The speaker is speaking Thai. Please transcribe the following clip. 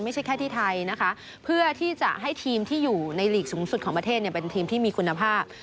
ไม่ใช่แค่ที่ไทยนะคะเพื่อที่จะให้ทีมที่อยู่ในหลีกสูงสุดของประเทศเนี่ยเป็นทีมที่มีคุณภาพ